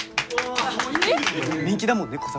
人気だもんね